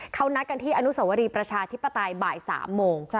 เขานัดกันที่อนุสวรีประชาธิปไตยบ่าย๓โมง